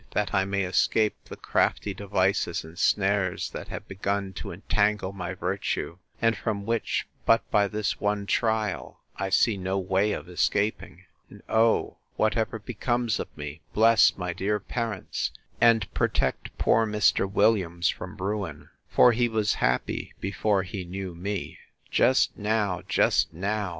that I may escape the crafty devices and snares that have begun to entangle my virtue; and from which, but by this one trial, I see no way of escaping. And oh! whatever becomes of me, bless my dear parents, and protect poor Mr. Williams from ruin! for he was happy before he knew me. Just now, just now!